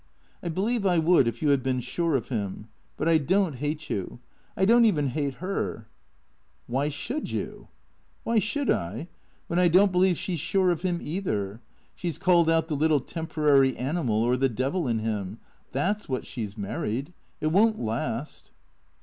" I believe I would if you had been sure of him. But I don't hate you. I don't even hate her." " ^Yhy should you ?" "Why should I? When I don't believe she's sure of him, either. She 's called out the little temporary animal or the devil in him. That 's what she 's married. It won't last."